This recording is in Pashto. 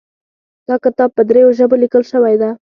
دا کتاب په دریو ژبو لیکل شوی ده